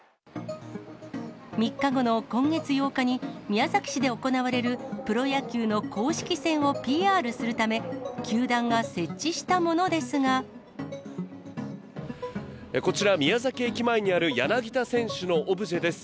３日後の今月８日に、宮崎市で行われるプロ野球の公式戦をＰＲするため、球団が設置しこちら、宮崎駅前にある柳田選手のオブジェです。